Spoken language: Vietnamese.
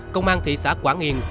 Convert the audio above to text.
công an thị xã quảng yên